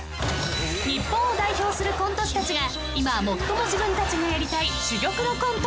［日本を代表するコント師たちが今最も自分たちがやりたい］